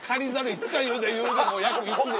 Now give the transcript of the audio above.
いつか言うで言うで約１年。